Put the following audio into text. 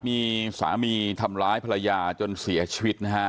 มีสามีทำร้ายภรรยาจนเสียชีวิตนะฮะ